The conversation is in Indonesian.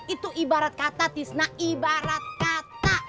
itu ibarat kata tisna ibarat kata